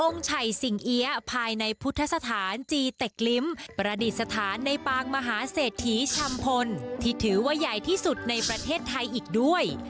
ไฉสิงเอี๊ยภายในพุทธสถานจีเต็กลิ้มประดิษฐานในปางมหาเศรษฐีชำพลที่ถือว่าใหญ่ที่สุดในประเทศไทยอีกด้วย